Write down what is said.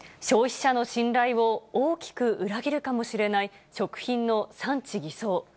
消費者の信頼を大きく裏切るかもしれない、食品の産地偽装。